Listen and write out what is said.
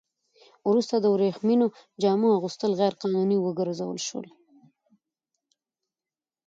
وروسته د ورېښمينو جامو اغوستل غیر قانوني وګرځول شول.